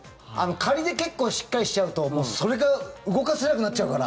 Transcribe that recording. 仮で結構しっかりしちゃうとそれが動かせなくなっちゃうから。